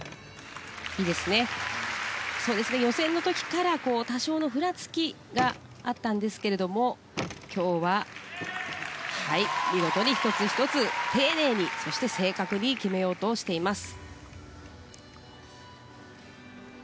予選の時から多少ふらつきがあったんですが今日は見事に１つ１つ丁寧にそして、正確に決めようとしています。